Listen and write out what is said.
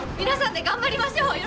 皆さんで頑張りましょう！